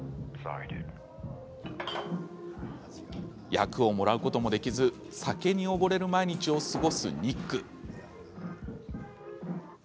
役をもらうこともできず酒に溺れる毎日を過ごすニック。